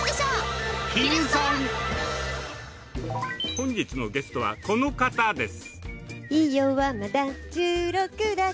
本日のゲストはこの方です。